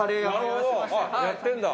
やってるんだ。